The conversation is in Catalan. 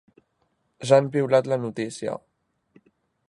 Ja han piulat la notícia.